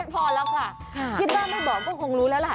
พอแล้วค่ะที่ป้าไม่บอกก็คงรู้แล้วล่ะ